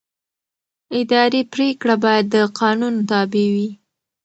اداري پرېکړه باید د قانون تابع وي.